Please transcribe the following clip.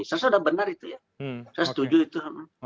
saya sudah benar itu ya saya setuju itu